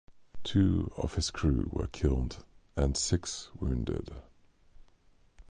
Two of his crew were killed and six wounded.